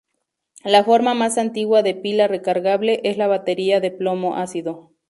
La forma más antigua de pila recargable es la batería de plomo-ácido.